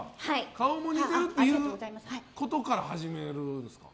顔も似てるっていうことから始めるんですか？